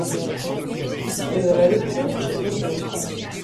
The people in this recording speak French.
Mais à la lecture, c'est autre chose.